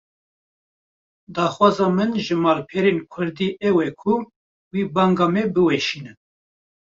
Daxwaza min ji malperên Kurdî ew e ku vê banga me biweşînin